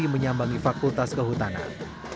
jokowi menyambangi fakultas kehutanan